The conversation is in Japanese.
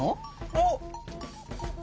おっ。